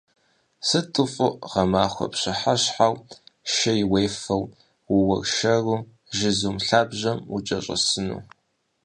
Сыту фӏы гъэмахуэ пщыхьэщхьэу шей уефэу, ууэршэру жызум лъабжьэм укӏэщӏэсыну.